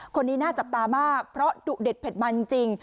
คนนี้น่าจับตามากเพราะดุเด็ดเผ็ดมันจริง